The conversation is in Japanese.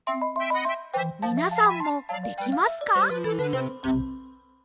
みなさんもできますか？